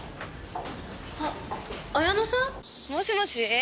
あ綾乃さん？もしもし？